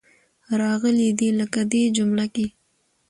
راغلې دي. لکه دې جمله کې.